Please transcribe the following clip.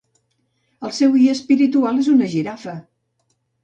El seu guia espiritual és una Girafa.